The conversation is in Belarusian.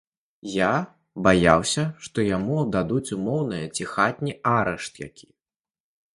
Я баяўся, што яму дадуць умоўнае ці хатні арышт які.